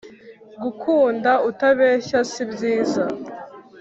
gukunda utabeshya si byiza